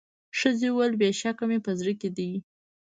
ښځي وویل بېشکه مي په زړه دي